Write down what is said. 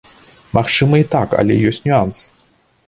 Магчыма і так, але ёсць нюанс.